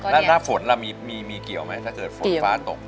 แล้วหน้าฝนล่ะมีเกี่ยวไหมถ้าเกิดฝนฟ้าตก